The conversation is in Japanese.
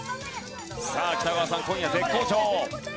さあ北川さん今夜絶好調。